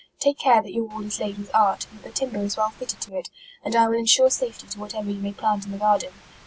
Take care that your wall is laid with art, and that the timber is well fitted to it, and I will insure safety to whatever you may plant in the gar den.